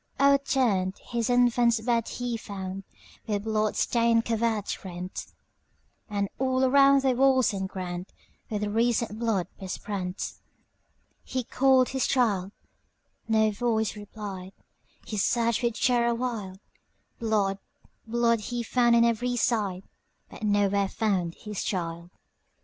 O'erturned his infant's bed he found, With blood stained covert rent; And all around the walls and groundWith recent blood besprent. He called his child,—no voice replied,—He searched with terror wild; Blood, blood, he found on every side, But nowhere found his child.